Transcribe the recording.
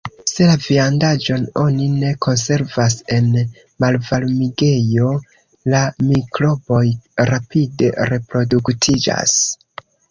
Se la viandaĵon oni ne konservas en malvarmigejo, la mikroboj rapide reproduktiĝas.